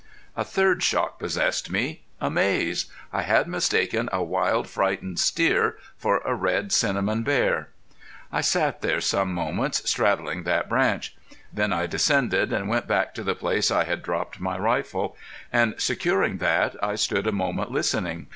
A third shock possessed me amaze. I had mistaken a wild, frightened steer for a red cinnamon bear! I sat there some moments straddling that branch. Then I descended, and went back to the place I had dropped my rifle, and securing that I stood a moment listening.